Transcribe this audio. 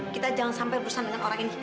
kita jangan sampai bosan dengan orang ini